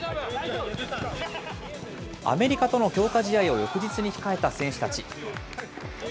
アメリカとの強化試合を翌日に控えた選手たち。